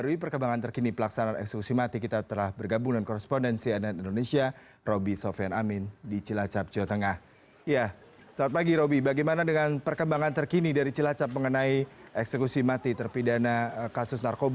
indonesia breaking news